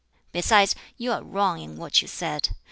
Besides, you are wrong in what you said.